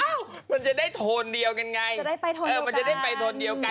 อ้าวมันจะได้โทนเดียวกันไงจะได้ไปโทนเดียวกัน